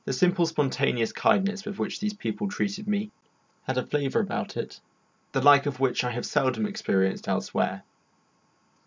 The simple spontaneous kindness with which these people treated me had a flavour about it the like of which I have seldom experienced elsewhere.